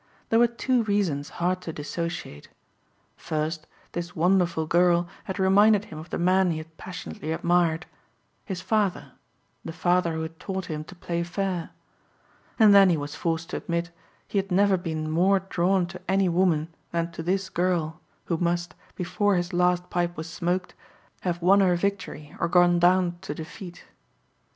There were two reasons hard to dissociate. First, this wonderful girl had reminded him of the man he had passionately admired his father, the father who had taught him to play fair. And then he was forced to admit he had never been more drawn to any woman than to this girl, who must, before his last pipe was smoked, have won her victory or gone down to defeat.